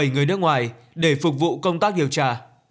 bảy người nước ngoài để phục vụ công tác điều tra